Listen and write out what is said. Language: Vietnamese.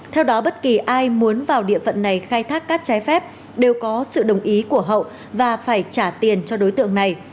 theo đó bất kỳ ai muốn vào địa phận này khai thác cát trái phép đều có sự đồng ý của hậu và phải trả tiền cho đối tượng này